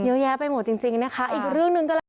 เยอะแยะไปหมดจริงจริงนะคะอีกเรื่องหนึ่งก็แล้วกัน